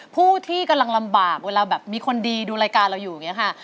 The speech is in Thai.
ผู้ที่กำลังลำบากเวลาแบบมีคนดีดูรายการเราอยู่อย่างนี้ค่ะ